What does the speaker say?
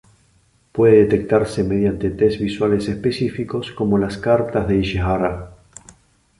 Puede detectarse mediante test visuales específicos como las cartas de Ishihara.